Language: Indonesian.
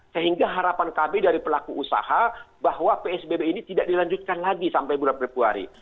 sehingga harapan kami dari pelaku usaha bahwa psbb ini tidak dilanjutkan lagi sampai bulan februari